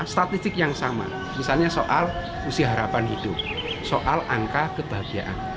statistik yang sama misalnya soal usia harapan hidup soal angka kebahagiaan